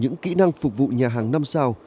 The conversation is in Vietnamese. những kỹ năng phục vụ nhà hàng năm sao